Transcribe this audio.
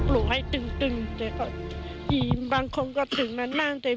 ลาต่อเสียชีวิตแล้วล่อแม่คนเดียว